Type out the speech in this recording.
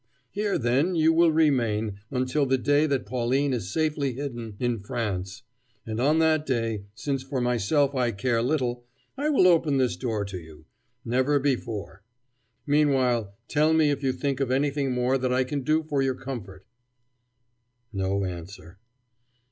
Here, then, you will remain, until the day that Pauline is safely hidden in France: and on that day since for myself I care little I will open this door to you: never before. Meanwhile, tell me if you think of anything more that I can do for your comfort." No answer.